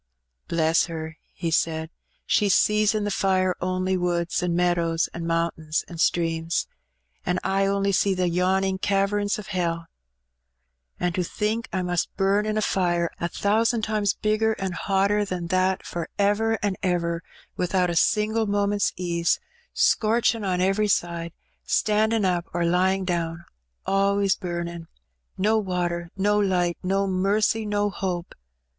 "Bless her!" he said. "She sees in the fire only woods, an' meadows, an' mount^/ins, an' streams; an' I only see the yawning caverns o' hell. An' to think I must bum in a fire a thousan' times bigger an' hotter than that for ever and ever without a single moment's ease; scorchin' on In which Benny makes a Discovery. 61 every side, standin' up or lying down, always bumin' ! No water, no light, no mercy, no hope.